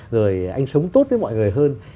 rồi anh sống tốt với mọi người hơn